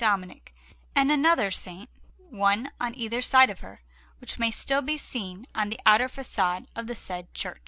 Dominic and another Saint, one on either side of her, which may still be seen on the outer façade of the said church.